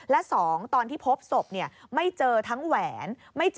และ๒ตอนที่พบศพไม่เจอทั้งแหวน